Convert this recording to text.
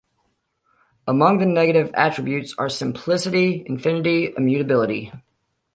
Among the negative attributes are simplicity, infinity, immutability.